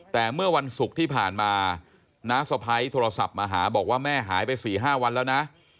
แต่เมื่อวันศุกร์ที่ผ่านมาน้าสะพ้ายโทรศัพท์มาหาบอกว่าแม่หายไป๔๕วันแล้วนะ